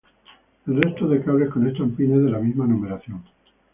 El resto de cables conectan pines de la misma numeración.